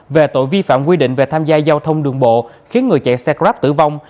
về tội vi phạm quy định về tham gia giao thông đường bộ khiến người chạy xe grab tử vong